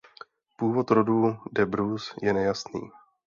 Původ rodu de Bruce je nejasný.